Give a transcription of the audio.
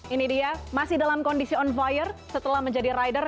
ini dia masih dalam kondisi on fire setelah menjadi rider